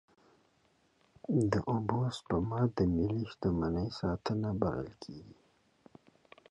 د اوبو سپما د ملي شتمنۍ ساتنه بلل کېږي.